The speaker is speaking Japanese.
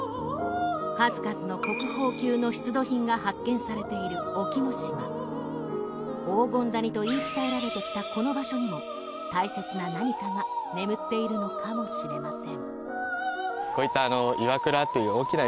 数々の国宝級の出土品が発見されている沖ノ島黄金谷と言い伝えられてきたこの場所にも大切な何かが眠っているのかもしれません・